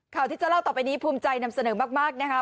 ข่าวที่จะเล่าต่อไปนี้ภูมิใจนำเสนอมากนะคะ